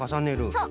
そう。